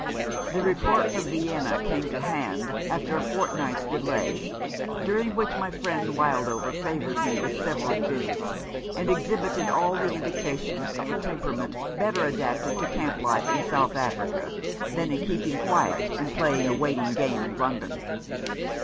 The report from Vienna came to hand after a fortnight's delay, during which my friend Wildover favoured me with several visits, and exhibited all the indications of a temperament better adapted to camp life in South Africa than to keeping quiet and playing a waiting game in London.